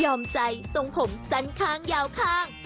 ใจทรงผมสั้นข้างยาวข้าง